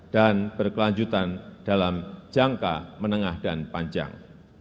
dan berkelanjutan dalam jangka menengah dan panjang